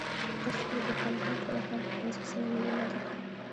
فرض کړئ د یو پانګوال ټوله پانګه پنځه سوه میلیونه ده